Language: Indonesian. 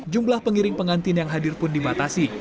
jumlah pengiring pengantin yang hadir pun dibatasi